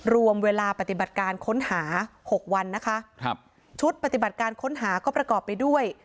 รวมเวลาปฏิบัติการค้นหาหกวันนะคะครับชุดปฏิบัติการค้นหาก็ประกอบไปด้วย